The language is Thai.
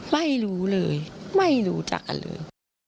ไม่รู้เลยไม่รู้จักกันเลย